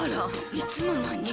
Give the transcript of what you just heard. いつの間に。